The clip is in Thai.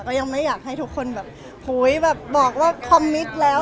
ก็ยังไม่อยากให้ทุกคนแบบโหยแบบบอกว่าคอมมิตแล้ว